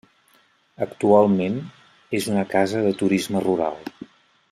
Actualment, és una casa de turisme rural.